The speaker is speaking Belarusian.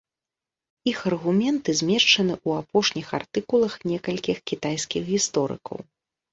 Іх аргументы змешчаны ў апошніх артыкулах некалькіх кітайскіх гісторыкаў.